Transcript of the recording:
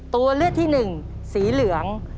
ตัวเลือกที่หนึ่งสีเหลือง